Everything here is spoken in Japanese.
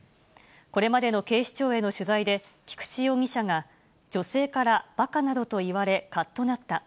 これまでの警視庁への取材で菊池容疑者が、女性からばかなどと言われ、かっとなった。